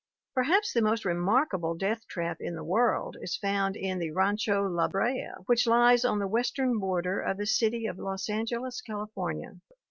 Perhaps the most remarkable death trap in the world is found in the Rancho La Brea which lies on the western border of the city of Los Angeles, California.